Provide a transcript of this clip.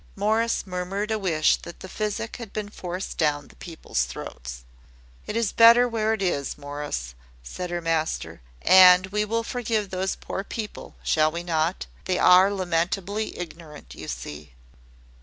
Morris murmured a wish that the physic had been forced down the people's throats. "It is better where it is, Morris," said her master; "and we will forgive these poor people; shall we not? They are lamentably ignorant, you see."